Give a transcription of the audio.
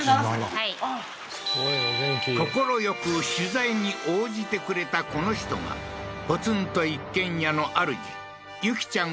はい快く取材に応じてくれたこの人がポツンと一軒家のあるじユキちゃん